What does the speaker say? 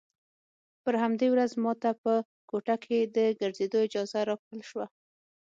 پر همدې ورځ ما ته په کوټه کښې د ګرځېدو اجازه راکړل سوه.